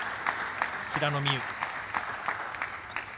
平野美宇。